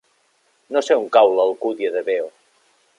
No sé on cau l'Alcúdia de Veo.